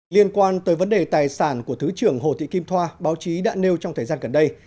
liên quan tới vấn đề tài sản của thứ trưởng hồ thị kim thoa báo chí đã nêu trong thời gian gần đây